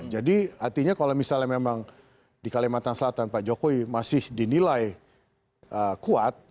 jadi artinya kalau misalnya memang di kalimantan selatan pak jokowi masih dinilai kuat